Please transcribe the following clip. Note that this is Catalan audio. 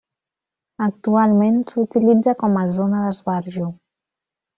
Actualment s'utilitza com a zona d'esbarjo.